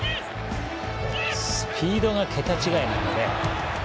スピードが桁違いなので。